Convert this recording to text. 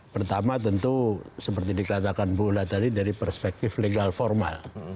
pertama tentu seperti dikatakan bu ula tadi dari perspektif legal formal